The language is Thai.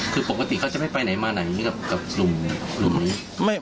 คือปกติเขาจะไม่ไปไหนมาไหนกับรุมนี้